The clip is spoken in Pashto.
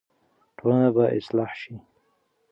ټولنه به اصلاح شي.